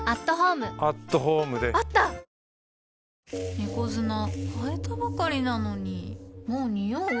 猫砂替えたばかりなのにもうニオう？